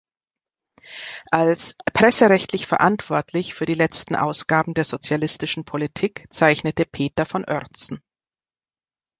Als "presserechtlich verantwortlich" für die letzten Ausgaben der "Sozialistischen Politik" zeichnete Peter von Oertzen.